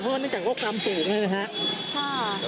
เพราะว่านึกันว่าความเสี่ยงเลยนะครับ